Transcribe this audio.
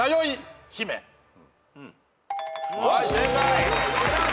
はい正解！